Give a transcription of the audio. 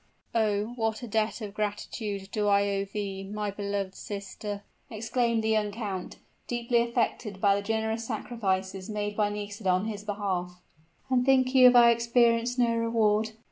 "Oh! what a debt of gratitude do I owe thee, my beloved sister!" exclaimed the young count, deeply affected by the generous sacrifices made by Nisida on his behalf. "And think you I have experienced no reward?"